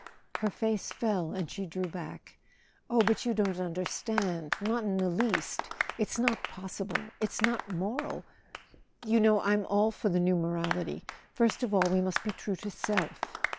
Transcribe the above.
Her face fell, and she drew back. "Oh, but you don't understand—not in the least! It's not possible—it's not moral . You know I'm all for the new morality. First of all, we must be true to self."